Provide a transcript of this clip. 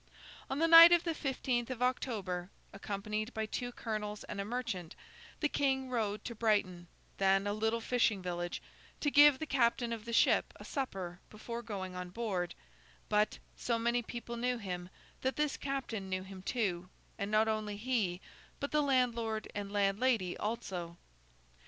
On the night of the fifteenth of October, accompanied by two colonels and a merchant, the King rode to Brighton, then a little fishing village, to give the captain of the ship a supper before going on board; but, so many people knew him, that this captain knew him too, and not only he, but the landlord and landlady also.